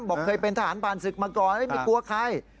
บอกเคยเป็นทหารผ่านศึกมาก่อนไม่กลัวใคร